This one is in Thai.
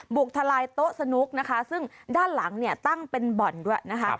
ทลายโต๊ะสนุกนะคะซึ่งด้านหลังเนี่ยตั้งเป็นบ่อนด้วยนะคะ